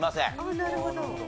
なるほど。